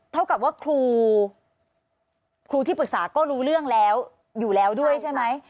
เท่ากับว่าครูครูที่ปรึกษาก็รู้เรื่องแล้วอยู่แล้วด้วยใช่ไหม